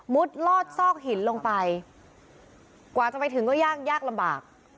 ลอดซอกหินลงไปกว่าจะไปถึงก็ยากยากลำบาก